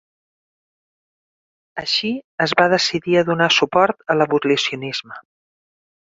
Així, es va decidir a donar suport a l'abolicionisme.